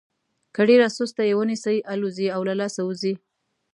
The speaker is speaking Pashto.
که ډېره سسته یې ونیسئ الوزي او له لاسه وځي.